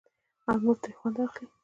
او نور ترې خوند واخلي.